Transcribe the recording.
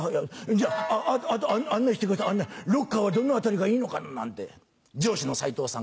じゃあ案内してください案内ロッカーはどの辺りがいいのかな」。なんて上司の齋藤さん